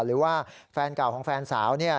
หรือว่าแฟนเก่าของแฟนสาว